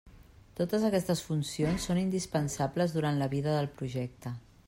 Totes aquestes funcions són indispensables durant la vida del projecte.